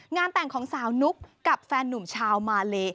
แต่งของสาวนุ๊กกับแฟนนุ่มชาวมาเล